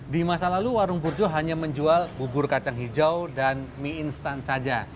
di masa lalu warung burjo hanya menjual bubur kacang hijau dan mie instan saja